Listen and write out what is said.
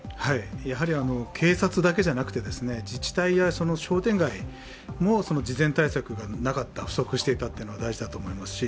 やはり警察だけじゃなくて、自治体や商店街も事前対策がなかった、不足していたというのが大事だと思いますし